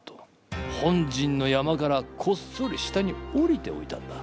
ほんじんの山からこっそり下に下りておいたんだ。